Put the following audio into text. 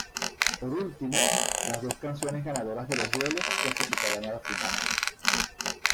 Por último, las dos canciones ganadoras de los duelos clasificarán a la final.